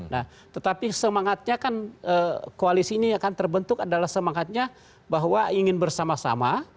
nah tetapi semangatnya kan koalisi ini akan terbentuk adalah semangatnya bahwa ingin bersama sama